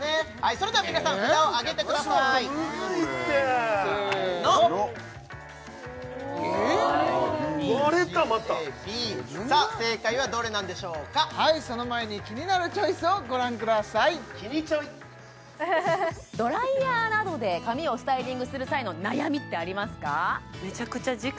それでは皆さん札をあげてくださいむずいってせーの割れたまたさあ正解はどれなんでしょうかはいその前にキニナルチョイスをご覧くださいキニチョイドライヤーなどで髪をスタイリングする際の悩みってありますか？